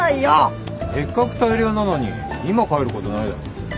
せっかく大漁なのに今帰ることないだろ。